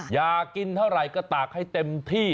อยากกินเท่าไหร่ก็ตากให้เต็มที่